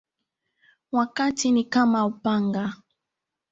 Wakati ni kama upanga